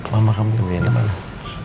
lama kamu gak minum